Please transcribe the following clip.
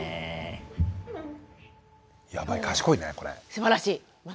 すばらしいまた。